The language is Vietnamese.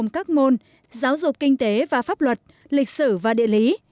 các môn giáo dục kinh tế và pháp luật lịch sử và địa lý